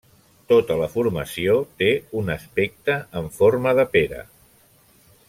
Tota la formació té un aspecte en forma de pera.